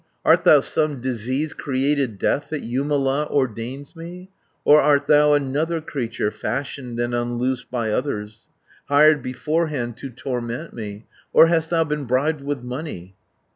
Art thou some disease created Death that Jumala ordains me, Or art thou another creature, Fashioned and unloosed by others, Hired beforehand to torment me, Or hast thou been bribed with money?